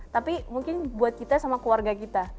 tapi mungkin buat kita sama keluarga kita